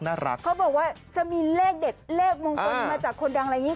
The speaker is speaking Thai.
เขาบอกว่าจะมีเลขเด็ดเลขมงคลมาจากคนดังอะไรอย่างนี้